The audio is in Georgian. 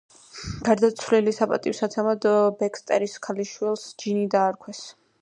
გარდაცვლილის საპატივცემოდ, ვებსტერის ქალიშვილს ჯინი დაარქვეს.